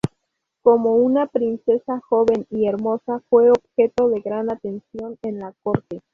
Como una princesa joven y hermosa, fue objeto de gran atención en la corte.